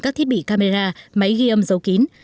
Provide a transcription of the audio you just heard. các thiết bị camera máy ghi âm dấu kín